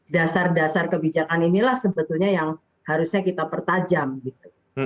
dasar dasar kebijakan inilah sebetulnya yang harusnya kita pertajam gitu